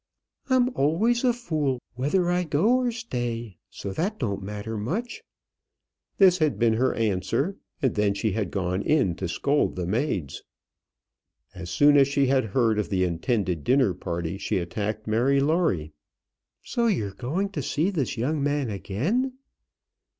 "I'm always a fool, whether I go or stay, so that don't much matter." This had been her answer, and then she had gone in to scold the maids. As soon as she had heard of the intended dinner party, she attacked Mary Lawrie. "So you're going to see this young man again?"